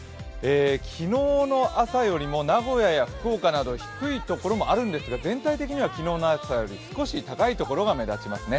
昨日の朝よりも名古屋や福岡など低いところもあるんですが全体的には昨日の朝より少し高いところが目立ちますね。